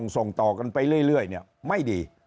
ส่งต่อกันไปเรื่อยไม่ดี